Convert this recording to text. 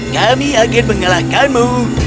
kami akan mengalahkanmu